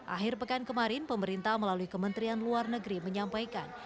akhir pekan kemarin pemerintah melalui kementerian luar negeri menyampaikan